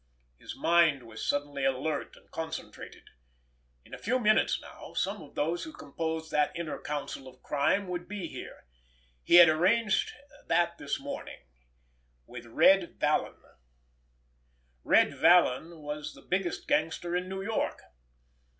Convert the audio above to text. His mind was suddenly alert and concentrated. In a few minutes now some of those who composed that inner council of crime would be here. He had arranged that this morning—with Red Vallon. Red Vallon was the biggest gangster in New York.